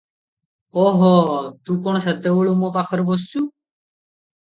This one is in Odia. "ଓ ହୋ! ତୁ କଣ ସେତେବେଳୁ ମୋ ପାଖରେ ବସିଚୁ?